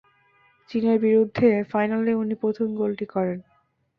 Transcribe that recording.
চিনের বিরুদ্ধে ফাইনালে উনি প্রথম গোলটি করেন।